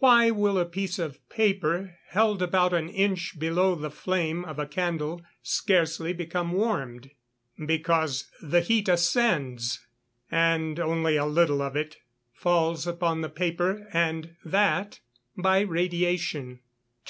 Why will a piece of paper held about an inch below the flame of a candle scarcely become warmed? Because the heat ascends; and only a little of it falls upon the paper, and that by radiation. [Illustration: Fig.